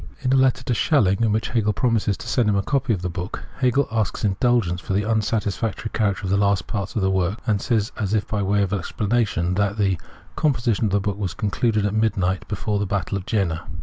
In a letter to Schelling, in which Hegel promises to send him a copy of the book,* Hegel asks indulgence for the unsatisfactory character of the last parts of the work, and says, as if by way of explanation, that the " composition of the book was concluded at midnight before the battle of Jena."